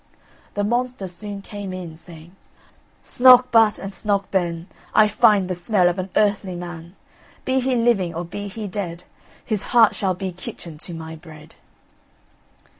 The monster soon came in, saying: "Snouk but and snouk ben, I find the smell of an earthly man; Be he living, or be he dead, His heart shall be kitchen to my bread."